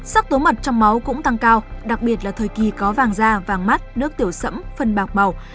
sắc tố mật trong máu cũng tăng cao đặc biệt là thời kỳ có vàng da vàng mắt nước tiểu sẫm phân bạc màu